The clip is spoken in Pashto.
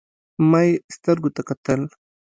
ما يې سترګو ته وکتل.